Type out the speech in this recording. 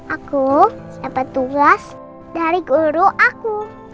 aku siapa tugas dari guru aku